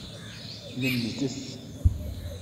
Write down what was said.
Lemdet!